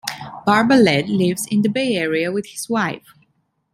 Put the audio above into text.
Barbalet lives in the Bay Area with his wife.